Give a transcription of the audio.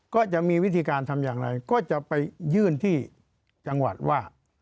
ก็จะมีวิธีการทำอย่างไรก็จะไปยื่นที่จังหวัดว่า